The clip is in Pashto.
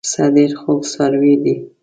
پسه ډېر خوږ څاروی دی.